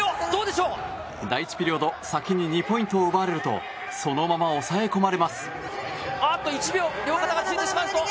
第１ピリオド先に２ポイントを奪われるとそのまま抑え込まれます。